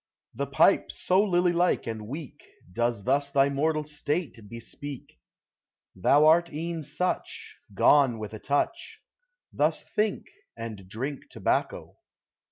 The pipe, so lily like and weak, Does thus thy mortal state bespeak; Thou art e'en such, — Gone with a touch : Thus think, and drink tobacco.